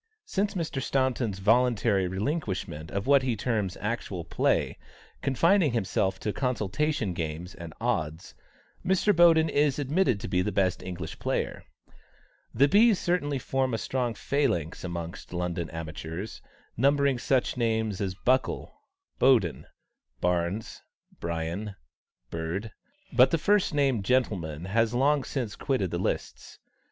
Since Mr. Staunton's voluntary relinquishment of what he terms "actual play," confining himself to consultation games and "odds," Mr. Boden is admitted to be the best English player. The B's certainly form a strong phalanx amongst London amateurs, numbering such names as Buckle, Boden, Barnes, Brien, Bird; but the first named gentleman has long since quitted the lists.